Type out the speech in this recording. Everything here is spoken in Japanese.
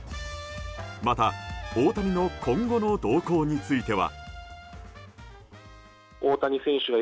また、大谷の今後の動向については。